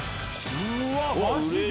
うわマジで？